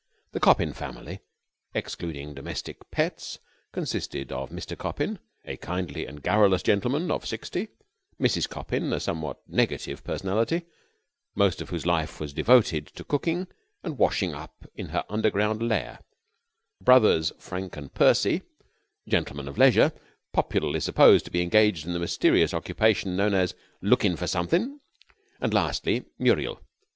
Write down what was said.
The Coppin family, excluding domestic pets, consisted of Mr. Coppin, a kindly and garrulous gentleman of sixty, Mrs. Coppin, a somewhat negative personality, most of whose life was devoted to cooking and washing up in her underground lair, Brothers Frank and Percy, gentleman of leisure, popularly supposed to be engaged in the mysterious occupation known as "lookin' about for somethin'," and, lastly, Muriel.